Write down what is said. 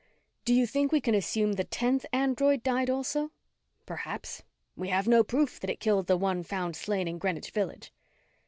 "Do you think we can assume the tenth android died also?" "Perhaps. We have no proof that it killed the one found slain in Greenwich Village."